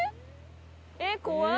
えっ怖い！